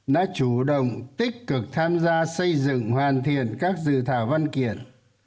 đã chủ động tích cực tham gia xây dựng hoàn thiện các dự thảo văn kiện